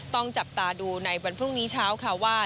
ต้องจับตาดูในวันพรุ่งนี้เช้าค่ะว่า